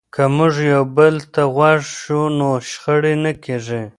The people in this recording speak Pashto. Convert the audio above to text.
که موږ یو بل ته غوږ شو نو شخړې نه کېږي.